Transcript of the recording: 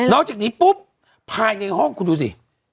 จากนี้ปุ๊บภายในห้องคุณดูสิ